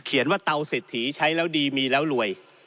เขียนว่าเตาเสร็จถี่ใช้แล้วดีมีแล้วรวย